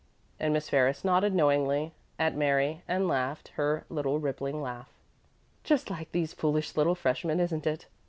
And Miss Ferris nodded knowingly at Mary and laughed her little rippling laugh. "Just like these foolish little freshmen; isn't it?"